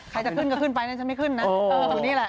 ใครจะขึ้นก็ขึ้นไปน่าจะไม่ขึ้นนะ